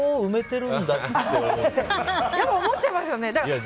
でも、思っちゃいますよね。